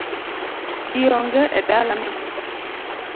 Ji onge e dalano